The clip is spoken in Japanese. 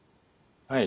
はい。